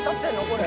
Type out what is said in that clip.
これ。